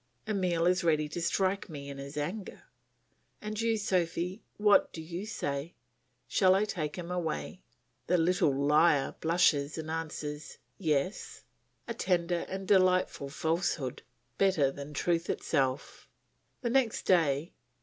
Emile is ready to strike me in his anger. "And you, Sophy, what do you say? Shall I take him away?" The little liar, blushing, answers, "Yes." A tender and delightful falsehood, better than truth itself! The next day.